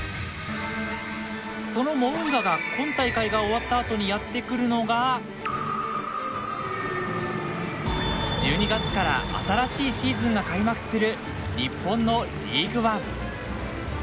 そのモウンガが今大会が終わったあとにやってくるのが１２月から新しいシーズンが開幕する日本のリーグワン。